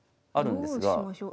どうしましょう。